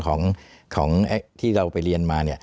ของเราที่เราไปเรียนมา